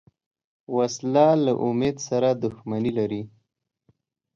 وسله له امید سره دښمني لري